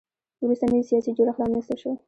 وروسته نوی سیاسي جوړښت رامنځته شو